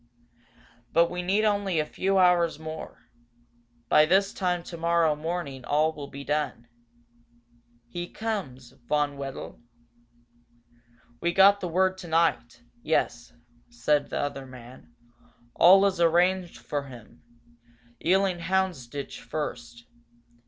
But we need only a few hours more. By this time tomorrow morning all will be done. He comes, Von Wedel?" "We got the word tonight yes," said the other man. "All is arranged for him. Ealing Houndsditch, first.